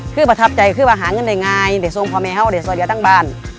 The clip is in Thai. คือประทับใจคือว่าหาเงินได้ง่ายได้ส่งพ่อแมวได้ส่วนเดียวทั้งบ้าน